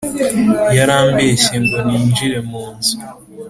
Yarambehsye ngo ninjire mu munzu